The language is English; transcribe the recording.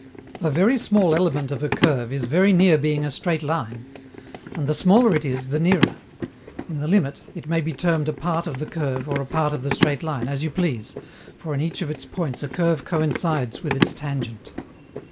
A very small element of a curve is very near being a straight line. And the smaller it is, the nearer. In the limit, it may be termed a part of the curve or a part of the straight line, as you please, for in each of its points a curve coincides with its tangent.